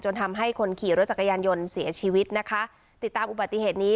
ทำให้คนขี่รถจักรยานยนต์เสียชีวิตนะคะติดตามอุบัติเหตุนี้